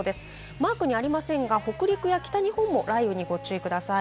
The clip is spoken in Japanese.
マークにはありませんが北陸や北日本も雷雨にご注意ください。